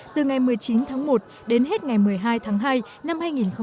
từ ngày một mươi chín tháng một đến hết ngày một mươi hai tháng hai năm hai nghìn hai mươi